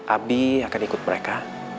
abi akan ikut mereka